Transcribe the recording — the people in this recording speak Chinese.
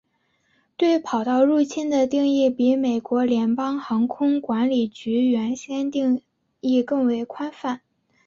对跑道入侵的定义比美国联邦航空管理局原先的定义更为宽泛。